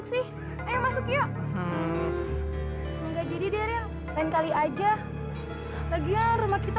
kok nggak jadi